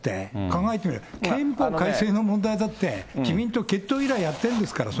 考えてみれば、憲法改正の問題だって、自民党、結党以来やってるんですから。